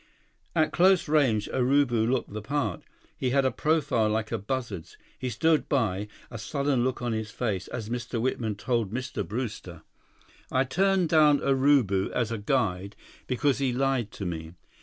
At close range, Urubu looked the part. He had a profile like a buzzard's. He stood by, a sullen look on his face, as Mr. Whitman told Mr. Brewster: "I turned down Urubu as a guide because he lied to me.